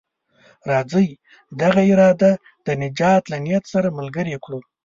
راځئ دغه اراده د نجات له نيت سره ملګرې کړو.